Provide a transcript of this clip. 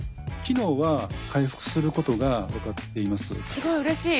すごいうれしい。